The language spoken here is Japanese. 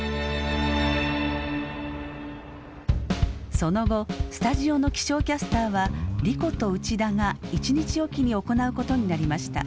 その後スタジオの気象キャスターは莉子と内田が１日置きに行うことになりました。